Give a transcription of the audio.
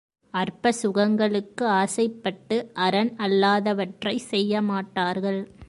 அற்ப சுகங்களுக்கு ஆசைப்பட்டு அறன் அல்லாதவற்றைச் செய்யமாட்டார்கள்.